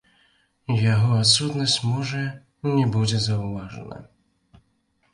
Яго адсутнасць, можа, не будзе заўважана.